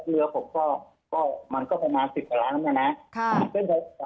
เรือผมก็มันก็ประมาณสิบกว่าละครั้งแล้วนะ